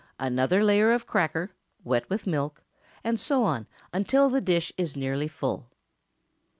Another layer of cracker, wet with milk, and so on until the dish is nearly full.